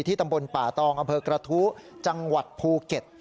ตำบลป่าตองอำเภอกระทู้จังหวัดภูเก็ต